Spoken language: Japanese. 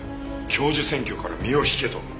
教授選挙から身を引けと。